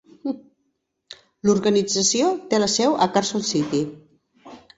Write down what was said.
L'organització té la seu a Carson City.